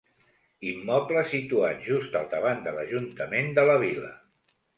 Immoble situat just al davant de l'Ajuntament de la vila.